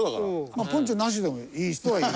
まあポンチョなしでもいい人はいい。